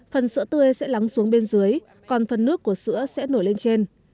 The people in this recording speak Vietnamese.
phần sữa tươi sẽ lắng xuống bên dưới còn phần nước của sữa sẽ nổi lên trên